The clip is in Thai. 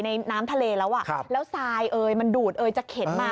ในน้ำทะเลแล้วแล้วทรายมันดูดจะเข็นมา